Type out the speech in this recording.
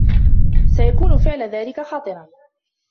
سيكون فعل ذلك خطرًا.